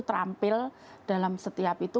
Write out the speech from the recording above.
terampil dalam setiap itu